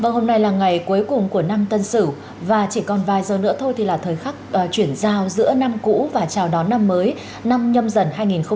hôm nay là ngày cuối cùng của năm tân sửu và chỉ còn vài giờ nữa thôi thì là thời khắc chuyển giao giữa năm cũ và chào đón năm mới năm nhâm dần hai nghìn hai mươi một